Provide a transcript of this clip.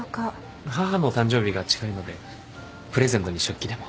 母の誕生日が近いのでプレゼントに食器でも。